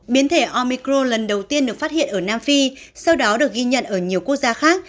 biến thể omicro lần đầu tiên được phát hiện ở nam phi sau đó được ghi nhận ở nhiều quốc gia khác